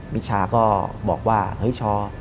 วิชาก็บอกว่าเฮ้ยชอ